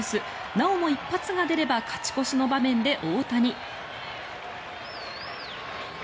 なおも一発が出れば勝ち越しの場面で大谷。